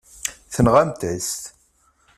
Tenɣamt-as-t.